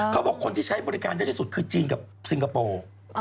คนที่ใช้บริการเยอะที่สุดคือจีนกับซิงคโปร์